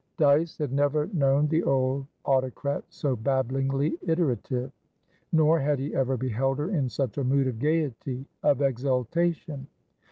Dyce had never known the old autocrat so babblingly iterative. Nor had he ever beheld her in such a mood of gaiety, of exultation.